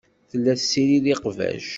Tella tessirid iqbac.